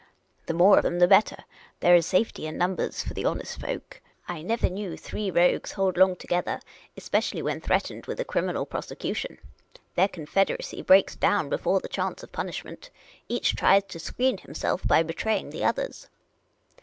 The more of them the better. There is safety in numbers — for the honest folk. I never knew 328 Miss Cayley's Adventures three rogues hold long together, especially when threatened with a crimi nal prosecution. Their confederacy breaks down before the chance of punishment. Each tries to screen him self by betraying the others."